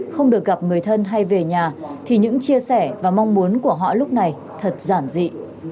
không được gặp người thân hay về nhà thì những chia sẻ và mong muốn của họ lúc này thật giản dị